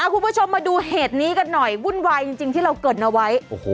คุณผู้ชมมาดูเหตุนี้กันหน่อย